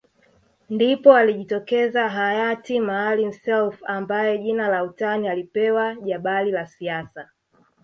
Ndipo alijitokeza Hayati Maalim Self ambaye jina la utani alipewa Jabali la siasa